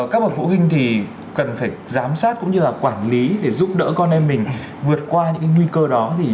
các bậc phụ huynh thì cần phải giám sát cũng như là quản lý để giúp đỡ con em mình vượt qua những nguy cơ đó